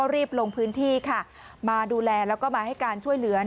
รีบลงพื้นที่ค่ะมาดูแลแล้วก็มาให้การช่วยเหลือ